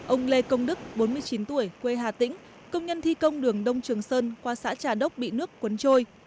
ông lê công đức bốn mươi chín tuổi quê hà tĩnh công nhân thi công đường đông trường sơn qua xã trà đốc bị nước cuốn trôi